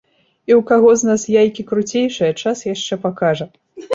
І ў каго з нас яйкі круцейшыя, час яшчэ пакажа.